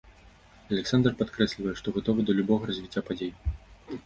Аляксандр падкрэслівае, што гатовы да любога развіцця падзей.